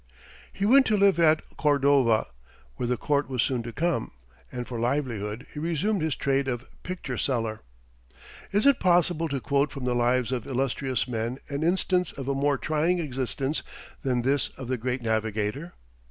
He went to live at Cordova, where the court was soon to come, and for livelihood he resumed his trade of picture seller. Is it possible to quote from the lives of illustrious men an instance of a more trying existence than this of the great navigator?